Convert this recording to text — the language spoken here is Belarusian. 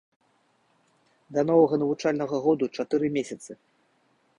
Да новага навучальнага году чатыры месяцы!